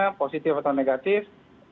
pemeriksaan swabnya positif atau negatif